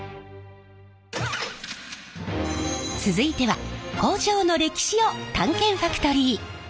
続いては工場の歴史を探検ファクトリー！